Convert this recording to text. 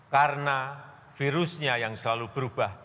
karena virusnya yang selalu berubah